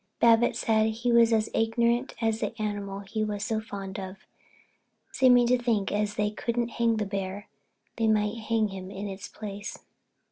Babbitts said he was as ignorant as the animal he was so fond of, seeming to think as they couldn't hang the bear they might hang him in its place.